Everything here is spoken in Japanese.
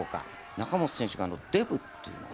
仲本選手が「デブ」っていうのは？